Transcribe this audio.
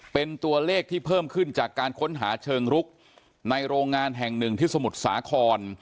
เป็นตัวเลขที่เพิ่มขึ้นจากการค้นหาเชิงรุกในโรงงานแห่งหนึ่งที่สมุทรสาคร